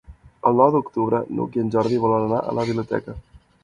El nou d'octubre n'Hug i en Jordi volen anar a la biblioteca.